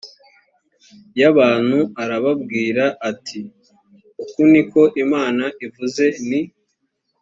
y abantu arababwira ati uku ni ko imana ivuze ni